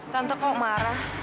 tante kok marah